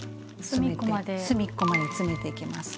隅っこまで詰めていきます。